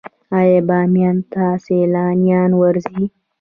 آیا بامیان ته سیلانیان ورځي؟